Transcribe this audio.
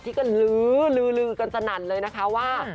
ที่ก็ลื้อลือกันสนั่นเลยนะคะว่า